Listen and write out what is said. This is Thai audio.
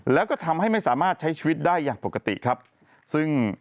แล้วก็ทำให้ไม่สามารถใช้ชีวิตได้อย่างปกติครับซึ่ง